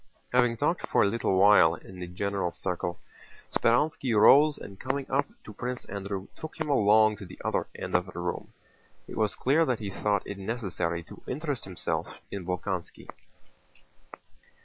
Having talked for a little while in the general circle, Speránski rose and coming up to Prince Andrew took him along to the other end of the room. It was clear that he thought it necessary to interest himself in Bolkónski.